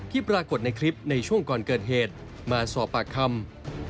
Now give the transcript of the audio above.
ปรากฏในคลิปในช่วงก่อนเกิดเหตุมาสอบปากคำ